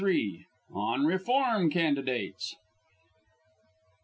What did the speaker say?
'" ON REFORM CANDIDATES.